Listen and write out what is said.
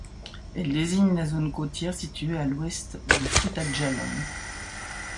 Elle désigne la zone côtière, située à l'ouest du Fouta-Djalon.